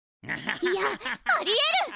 いやありえる！